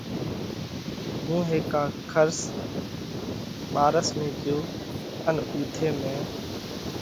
ھُون ھيڪا کرس (ٻارس) ۾ ڳيو ان اُوٿئہ مئين